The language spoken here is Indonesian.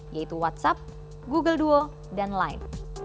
yaitu whatsapp google duo dan live